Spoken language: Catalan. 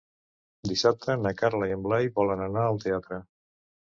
Dissabte na Carla i en Blai volen anar al teatre.